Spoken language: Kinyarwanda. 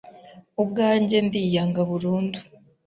ubwanjye ndiyanga burundu